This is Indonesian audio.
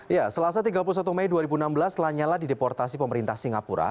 ya selasa tiga puluh satu mei dua ribu enam belas lanyala dideportasi pemerintah singapura